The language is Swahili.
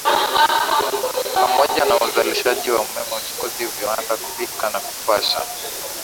pamoja na uzalishaji wa umeme uchukuzi viwanda kupika na kupasha